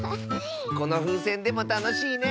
このふうせんでもたのしいね！